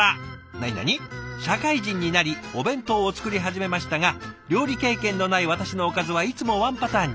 なになに「社会人になりお弁当を作り始めましたが料理経験のない私のおかずはいつもワンパターンに。